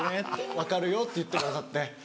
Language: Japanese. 分かるよ」って言ってくださって。